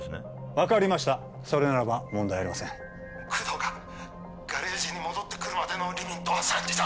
分かりましたそれならば問題ありません工藤がガレージに戻ってくるまでのリミットは３時だ